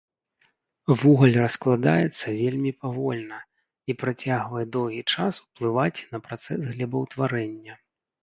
Вугаль раскладаецца вельмі павольна і працягвае доўгі час ўплываць на працэс глебаўтварэння.